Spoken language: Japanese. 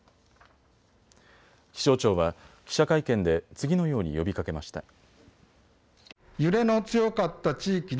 気象庁は記者会見で次のように呼びかけました。